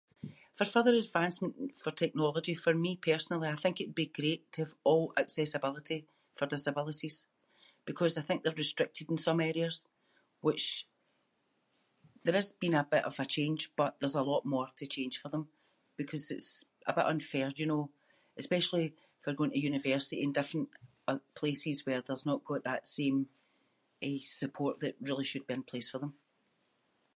For further advancement for technology for me personally I think it’d be great to have all accessibility for disabilities because I think they’re restricted in some areas which- there is been a bit of a change but there’s a lot more to change for them. Because it’s a bit unfair, you know, especially for going to university and different uh places where there’s not got that same eh support that really should be in place for them.